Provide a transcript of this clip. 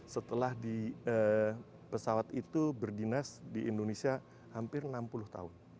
setelah di pesawat itu berdinas di indonesia hampir enam puluh tahun